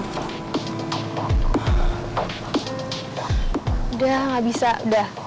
udah gak bisa udah